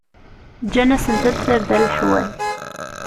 Gǧan-asent-d tarda leḥwal.